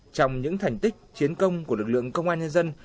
trong những thành tích chiến công của lực lượng công an nhân dân